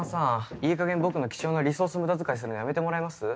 いいかげん僕の貴重なリソース無駄遣いするのやめてもらえます？